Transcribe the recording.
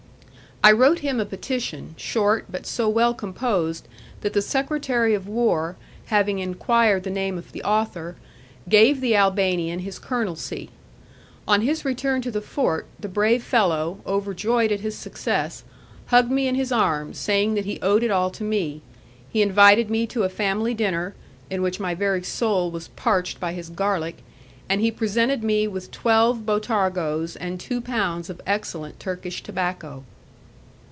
I wrote him a petition, short, but so well composed that the secretary of war, having enquired the name of the author, gave the Albanian his colonelcy. On his return to the fort, the brave fellow, overjoyed at his success, hugged me in his arms, saying that he owed it all to me; he invited me to a family dinner, in which my very soul was parched by his garlic, and he presented me with twelve botargoes and two pounds of excellent Turkish tobacco.